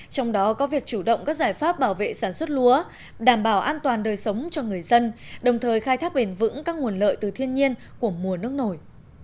trong đó có việc chủ động các giải pháp bảo vệ sản xuất lúa đảm bảo an toàn đời sống cho người dân đồng thời khai thác bền vững các nguồn lợi từ thiên nhiên của mùa nước nổi